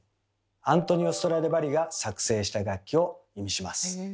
アントニオ・ストラディヴァリが作製した楽器を意味します。